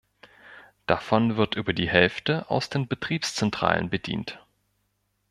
Davon wird über die Hälfte aus den Betriebszentralen bedient.